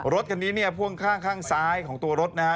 รถคันนี้เนี่ยพ่วงข้างข้างซ้ายของตัวรถนะฮะ